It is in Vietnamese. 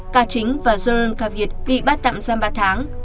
ca chính và dương ca việt bị bắt tạm giam ba tháng